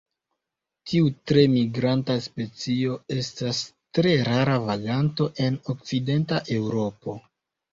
Tiu tre migranta specio estas tre rara vaganto en okcidenta Eŭropo.